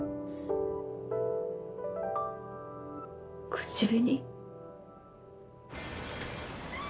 口紅？